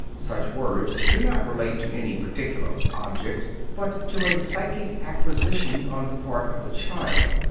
Such words do not relate to any particular object, but to a psychic acquisition on the part of the child.